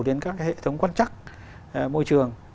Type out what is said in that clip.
đến các hệ thống quan trắc môi trường